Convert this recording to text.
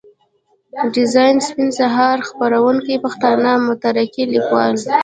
ډيزاين سپين سهار، خپروونکی پښتانه مترقي ليکوال.